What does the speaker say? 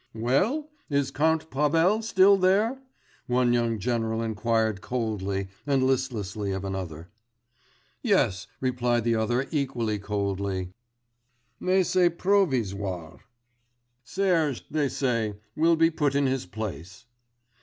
_' 'Well? Is Count Pavel still there?' one young general inquired coldly and listlessly of another. 'Yes,' replied the other equally coldly, 'Mais c'est provisoire. Serge, they say, will be put in his place.